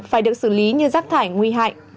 phải được xử lý như rác thải nguy hại